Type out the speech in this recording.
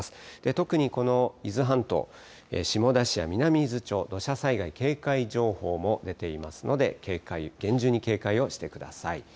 特にこの伊豆半島、下田市や南伊豆町、土砂災害警戒情報も出ていますので、厳重に警戒をしてください。